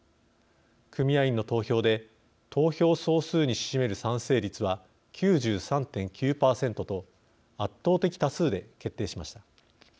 組合員の投票で投票総数に占める賛成率は９３．９％と圧倒的多数で決定しました。